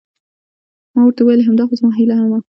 ما ورته وویل: همدا خو زما هیله هم وه.